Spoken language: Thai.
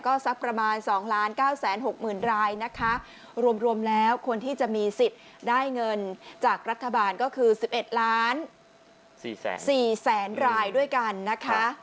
ก็สักประมาณ๒๙๖๐๐๐รายนะคะรวมแล้วคนที่จะมีสิทธิ์ได้เงินจากรัฐบาลก็คือ๑๑ล้าน๔แสนรายด้วยกันนะคะ